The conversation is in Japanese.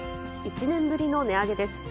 １年ぶりの値上げです。